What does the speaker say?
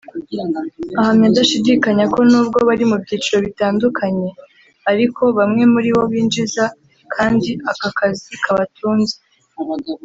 Ahamya adashidikanya ko nubwo bari mu byiciro bitandukanye ariko bamwe muri bo binjiza kandi aka kazi kabatunze